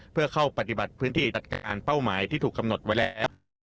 เพื่อเข้าปฏิบัติพื้นที่อ่านเป้าหมายที่ถูกกำหนดไว้และแอป